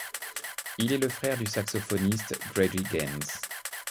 Il est le frère du saxophoniste Grady Gaines.